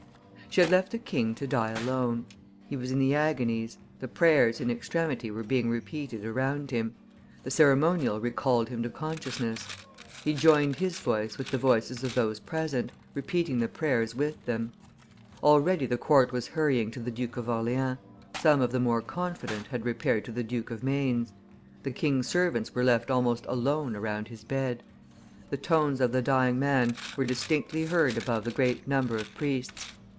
She had left the king to die alone. He was in the agonies; the prayers in extremity were being repeated around him; the ceremonial recalled him to consciousness. He joined his voice with the voices of those present, repeating the prayers with them. Already the court was hurrying to the Duke of Orleans; some of the more confident had repaired to the Duke of Maine's; the king's servants were left almost alone around his bed; the tones of the dying man were distinctly heard above the great number of priests.